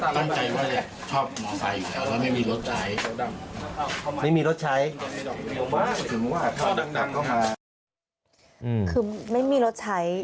ตั้งใจก็จะชอบมอเซหาแล้วแรกแล้วไม่มีรถใช้